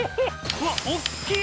うわおっきい